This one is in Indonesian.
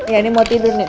ya ini mau tidur nih